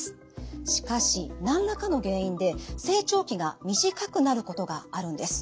しかし何らかの原因で成長期が短くなることがあるんです。